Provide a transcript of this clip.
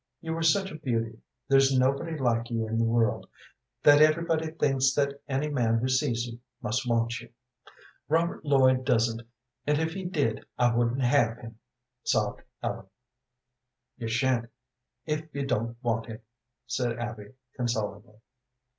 You are such a beauty there's nobody like you in the world that everybody thinks that any man who sees you must want you." "Robert Lloyd doesn't, and if he did I wouldn't have him," sobbed Ellen. "You sha'n't if you don't want him," said Abby, consolingly.